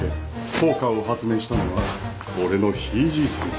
ポーカーを発明したのは俺のひいじいさんなんだ。